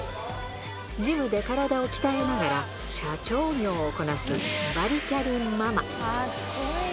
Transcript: ジムで体を鍛えながら、社長業もこなすバリキャリママ。